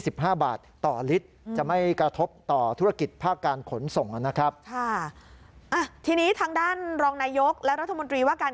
พันธุ์มีเช่านี้นะคะ